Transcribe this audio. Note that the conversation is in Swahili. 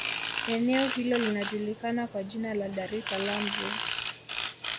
eneo hilo linajukikana kwa jina la dar es salaam zoo